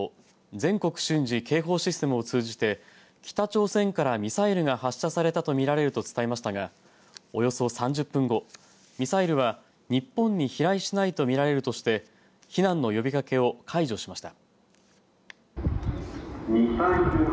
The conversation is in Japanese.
全国瞬時警報システムを通じて北朝鮮からミサイルが発射されたと見られると伝えましたがおよそ３０分後ミサイルは日本に飛来しないと見られるとして避難の呼びかけを解除しました。